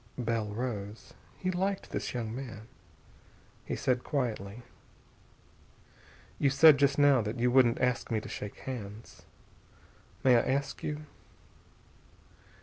Bell rose. He liked this young man. He said quietly: "You said just now you wouldn't ask me to shake hands. May I ask you?..."